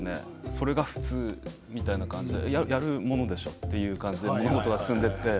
それが普通みたいな感じで、やるものでしょっていう感じで物事が進んでいって。